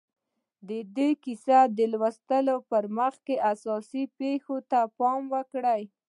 د دې کیسې د لوستلو پر وخت اساسي پېښو ته پام وکړئ